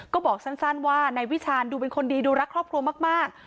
ก็บอกสั้นว่านายวิชาณดูเป็นคนดีดูรักครอบครัวมาก